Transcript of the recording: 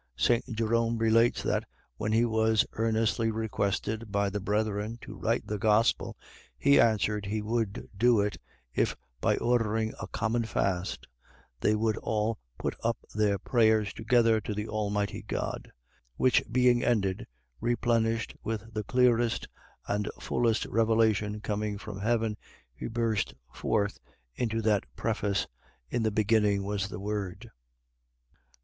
St. Jerome relates that, when he was earnestly requested by the brethren to write the Gospel, he answered he would do it, if by ordering a common fast, they would all put up their prayers together to the Almighty God; which being ended replenished with the clearest and fullest revelation coming from Heaven, he burst forth into that preface: IN THE BEGINNING WAS THE WORD.